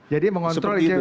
jadi mengontrol icw